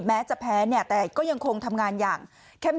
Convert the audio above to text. แม้จะแพ้เนี่ยแต่ก็ยังคงทำงานอย่างเข้ม